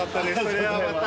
それではまた。